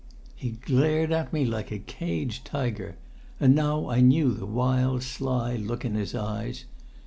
He glared at me like a caged tiger, and now I knew the wild sly look in his eyes.